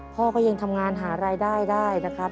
พ่อก็ยังทำงานหารายได้ได้นะครับ